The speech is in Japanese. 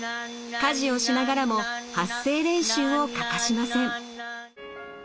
家事をしながらも発声練習を欠かしません。